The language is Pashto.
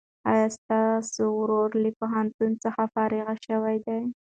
ایا ستا ورور له پوهنتون څخه فارغ شوی دی؟